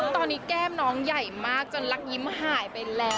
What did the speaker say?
ตอนนี้แก้มน้องใหญ่มากจนลักยิ้มหายไปแล้ว